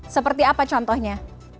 seperti apa contohnya